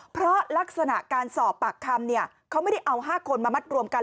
เพราะลักษณะการสอบปากคำเขาไม่ได้เอา๕คนมามัดรวมกัน